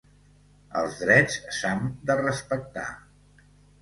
Els drets s’ham de respectar.